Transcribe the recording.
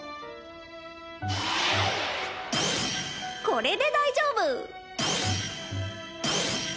これで大丈夫！